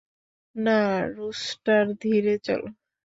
না, রুস্টার, ধীরে চলো।